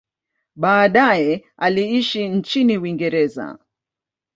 Baadaye aliishi nchini Uingereza.